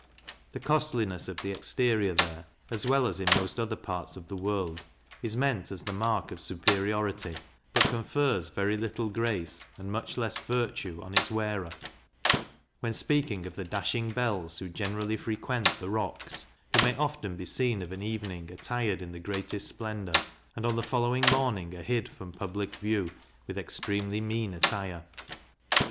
The costliness of the exterior there, as well as in most other parts of the world, is meant as the mark of superiority; but confers very little grace, and much less virtue, on its wearer, when speaking of the dashing belles who generally frequent the Rocks, who may often be seen of an evening attired in the greatest splendour, and on the following morning are hid from public view with extremely mean attire.